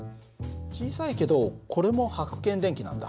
小さいけどこれもはく検電器なんだ。